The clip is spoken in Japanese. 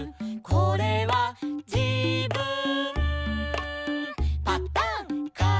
「これはじぶん」